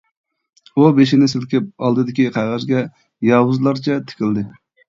ئۇ بېشىنى سىلكىپ ئالدىدىكى قەغەزگە ياۋۇزلارچە تىكىلدى.